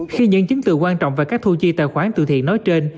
khi những chứng từ quan trọng về các thu chi tài khoản từ thiện nói trên